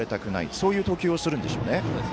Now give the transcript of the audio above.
そういう投球をするんでしょうね。